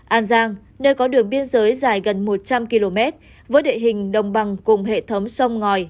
an giang nơi có đường biên giới dài gần một trăm linh km với địa hình đồng bằng cùng hệ thống sông ngòi